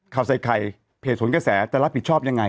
เขาใส่ใครเพจโผล่งกระแสจะรับผิดชอบยังไง